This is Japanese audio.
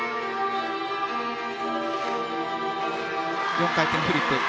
４回転フリップ。